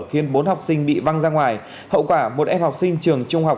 khiến bốn học sinh bị văng ra ngoài hậu quả một em học sinh trường trung học